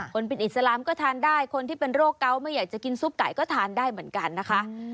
คนเป็นอิสลามก็ทานได้คนที่เป็นโรคเกาะไม่อยากจะกินซุปไก่ก็ทานได้เหมือนกันนะคะ